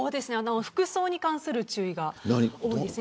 服装に関する注意が多いです。